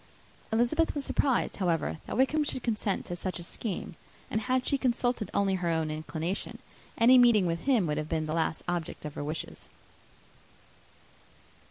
Elizabeth was surprised, however, that Wickham should consent to such a scheme; and, had she consulted only her own inclination, any meeting with him would have been the last object of her wishes.